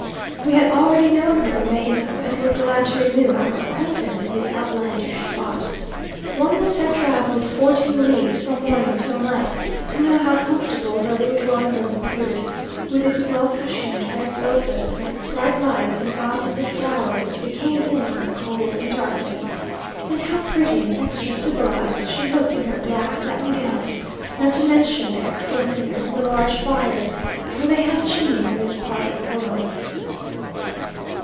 We had already known her in Mexico, and were glad to renew our acquaintance in this outlandish spot. One must have travelled fourteen leagues, from morning till night, to know how comfortable her little drawing room appeared, with its well cushioned red sofas, bright lights, and vases of flowers, as we came in from the cold and darkness, and how pretty and extra civilized she looked in her black satin gown, not to mention the excellent dinner and the large fires, for they have chimneys in this part of the world.